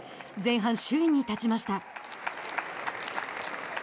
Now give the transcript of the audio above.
前半、首位に立ちました。